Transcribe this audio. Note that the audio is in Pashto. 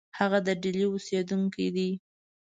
هغه د ډهلي اوسېدونکی دی.